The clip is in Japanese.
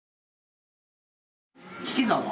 引き算は？